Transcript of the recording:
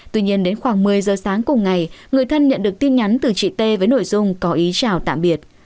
tuy nhiên đến khoảng một mươi giờ sáng cùng ngày người thân nhận được tin nhắn từ chị t với nội dung có ý chào tạm biệt